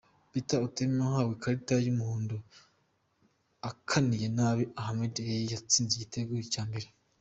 ' Peter Otema ahawe ikarita y' umuhondo akiniye nabi Ahmed Eid watsinze igitego cya mbere.